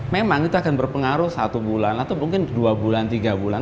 memang itu akan berpengaruh satu bulan atau mungkin dua bulan tiga bulan